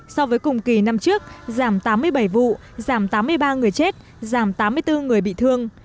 so với cùng kỳ năm trước giảm tám mươi bảy vụ giảm tám mươi ba người chết giảm tám mươi bốn người bị thương